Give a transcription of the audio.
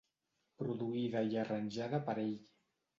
Produïda i arranjada per ell.